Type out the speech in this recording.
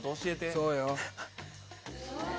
そうよ。